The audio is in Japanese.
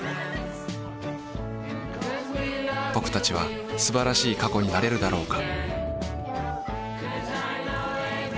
ぼくたちは素晴らしい過去になれるだろうか